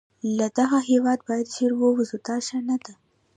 له دغه هیواده باید ژر ووزو، دا ښه نه ده.